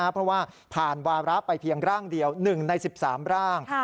เพราะว่าผ่านวาระไปเพียงร่างเดียว๑ใน๑๓ร่าง